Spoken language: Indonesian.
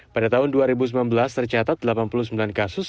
pada tahun dua ribu sembilan belas tercatat delapan puluh sembilan kasus